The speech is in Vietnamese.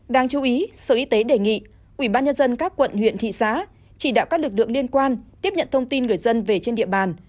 đáng chú ý sở y tế đề nghị ubnd các quận huyện thị xã chỉ đạo các lực lượng liên quan tiếp nhận thông tin người dân về trên địa bàn